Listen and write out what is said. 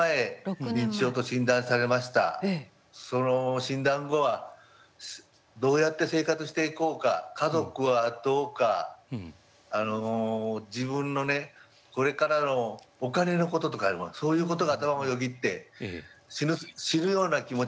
その診断後はどうやって生活していこうか家族はどうかあの自分のねこれからのお金のこととかもそういうことが頭をよぎって死ぬような気持ちになりました。